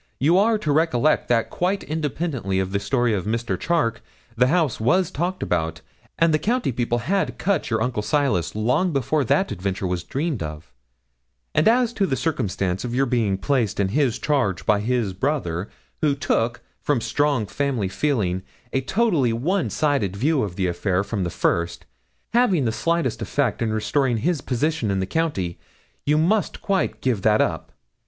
You are to recollect that quite independently of the story of Mr. Charke, the house was talked about, and the county people had cut your uncle Silas long before that adventure was dreamed of; and as to the circumstance of your being placed in his charge by his brother, who took, from strong family feeling, a totally one sided view of the affair from the first, having the slightest effect in restoring his position in the county, you must quite give that up.